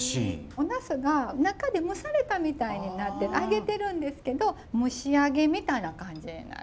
おナスが中で蒸されたみたいになって揚げてるんですけど蒸し揚げみたいな感じになる。